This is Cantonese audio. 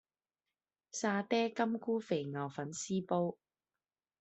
沙嗲金菇肥牛粉絲煲